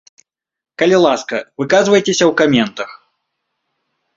Калі ласка, выказвайцеся ў каментах.